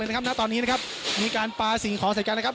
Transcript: นะครับณตอนนี้นะครับมีการปลาสิ่งของใส่กันนะครับ